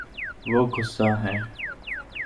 وہ گصاہ ہے